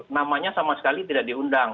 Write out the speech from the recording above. namanya sama sekali tidak diundang